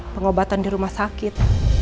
pengobatan di rumah sakit